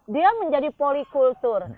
dia menjadi polikultur